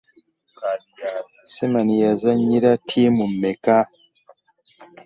Seaman yazannyira ttiimu mmeka?